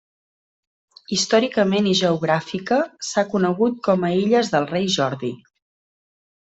Històricament i geogràfica s'ha conegut com a illes del Rei Jordi.